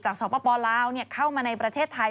สปลาวเข้ามาในประเทศไทย